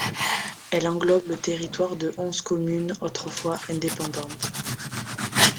Elle englobe le territoire de onze communes autrefois indépendantes.